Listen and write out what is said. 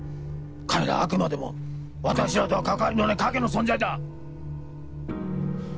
彼らはあくまでも私らとは関わりのない影の存在だ！